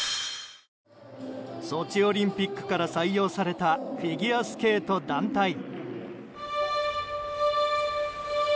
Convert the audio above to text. ソチオリンピックから採用されたフィギュアスケート団体。